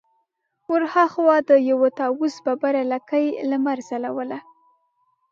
ور هاخوا د يوه طاوس ببره رنګه لکۍ لمر ځلوله.